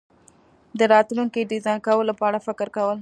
د راتلونکي ډیزاین کولو په اړه فکر کول